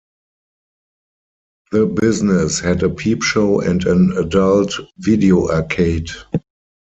The business had a peep show and an adult video arcade.